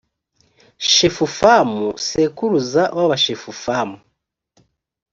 shefufamu sekuruza w’abashefufamu;